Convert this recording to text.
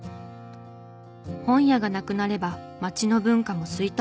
本屋がなくなれば街の文化も衰退してしまう。